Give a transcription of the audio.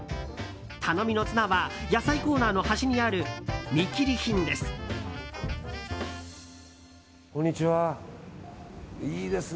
頼みの綱は野菜コーナーの端にある見切り品です。